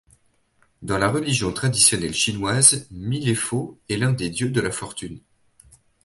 Dans la religion traditionnelle chinoise, Milefo est l'un des Dieux de la fortune.